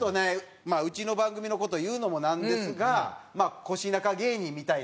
まあうちの番組の事言うのもなんですが越中芸人みたいな。